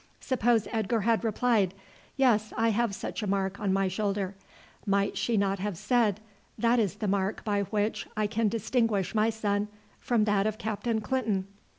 Suppose Edgar had replied, 'Yes, I have such a mark on my shoulder,' might she not have said, that is the mark by which I can distinguish my son from that of Captain Clinton?"